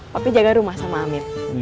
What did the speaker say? papi jaga rumah sama amin